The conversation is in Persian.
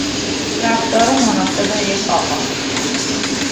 رفتار مناسب یک آقا